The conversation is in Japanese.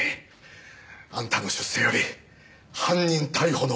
あんたの出世より犯人逮捕のほうが優先だ。